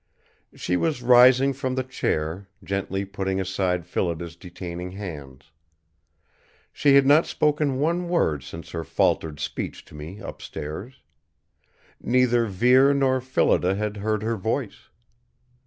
She was rising from the chair, gently putting aside Phillida's detaining hands. She had not spoken one word since her faltered speech to me, upstairs. Neither Vere nor Phillida had heard her voice.